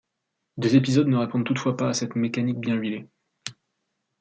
Des épisodes ne répondent toutefois pas à cette mécanique bien huilée.